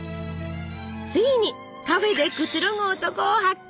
ついにカフェでくつろぐ男を発見！